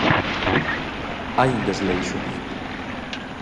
Hai un desleixo.